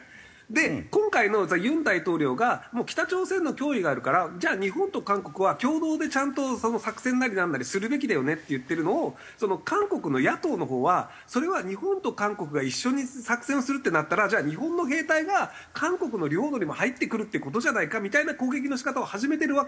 で今回のじゃあ尹大統領がもう北朝鮮の脅威があるからじゃあ日本と韓国は共同でちゃんと作戦なりなんなりするべきだよねっていってるのを韓国の野党のほうはそれは日本と韓国が一緒に作戦をするってなったらじゃあ日本の兵隊が韓国の領土にも入ってくるって事じゃないかみたいな攻撃の仕方を始めてるわけですよ。